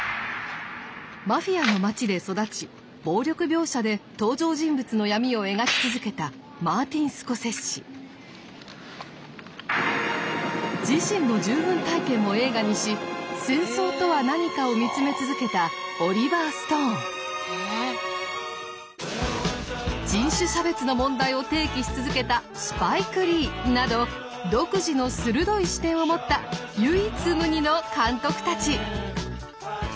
マフィアの街で育ち暴力描写で登場人物の闇を描き続けた自身の従軍体験を映画にし戦争とは何かを見つめ続けた人種差別の問題を提起し続けたスパイク・リーなど独自の鋭い視点を持った唯一無二の監督たち。